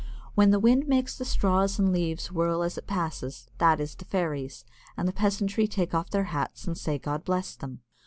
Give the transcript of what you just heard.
When the wind makes the straws and leaves whirl as it passes, that is the fairies, and the peasantry take off their hats and say, "God bless them."